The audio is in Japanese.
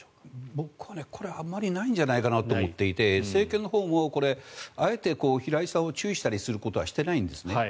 僕は、これはあまりないんじゃないかと思っていて政権のほうもあえて平井さんを注意したりすることはしていないんですね。